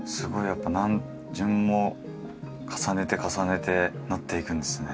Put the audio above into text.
やっぱ何巡も重ねて重ねて塗っていくんですね。